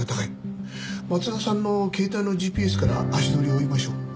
松田さんの携帯のＧＰＳから足取りを追いましょう。